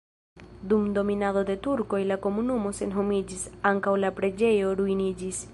Dum dominado de turkoj la komunumo senhomiĝis, ankaŭ la preĝejo ruiniĝis.